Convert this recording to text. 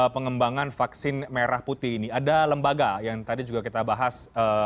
pengembangan vaksin merah putih ini ada lembaga yang tadi juga kita bahas